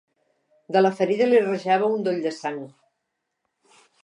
De la ferida li rajava un doll de sang.